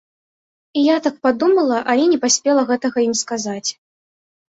І я так падумала, але не паспела гэтага ім сказаць.